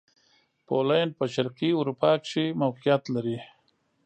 پولېنډ په شرقي اروپا کښې موقعیت لري.